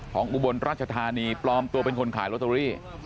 อุบลราชธานีปลอมตัวเป็นคนขายลอตเตอรี่